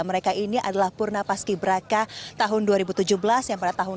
mereka ini adalah purna paski brakalain tahun dua ribu tujuh belas